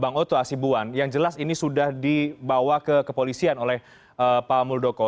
bang oto asibuan yang jelas ini sudah dibawa ke kepolisian oleh pak muldoko